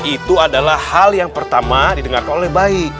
itu adalah hal yang pertama didengarkan oleh baik